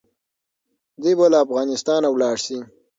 دوی به له افغانستانه ولاړ سي.